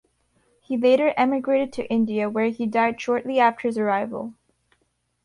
He later emigrated to India, where he died shortly after his arrival.